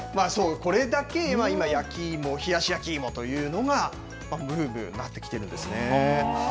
これだけ今、焼き芋、冷やし焼き芋というのがブームになってきているんですね。